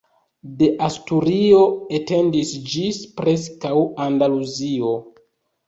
De Asturio etendis ĝis preskaŭ Andaluzio.